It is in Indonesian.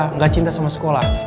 enggak cinta sama sekolah